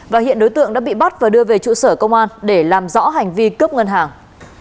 và hiện đối tượng đã bị bắt và đưa về trụ sở công an để làm rõ hành vi cướp ngân hàng